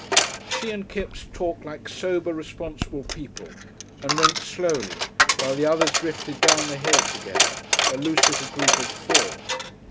She and Kipps talked like sober, responsible people and went slowly, while the others drifted down the hill together, a loose little group of four.